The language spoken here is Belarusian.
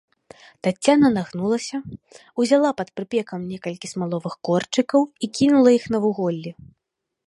Таццяна нагнулася, узяла пад прыпекам некалькі смаловых корчыкаў і кінула іх на вуголлі.